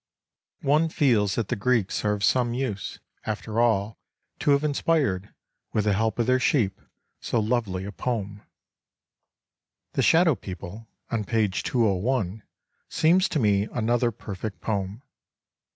One feels that the Greeks are of some use, after all, to have inspired — with the help of their sheep — so lovely a poem. INTRODUCTION 15 " The Shadow People " on page 201 seems to me another perfect poem.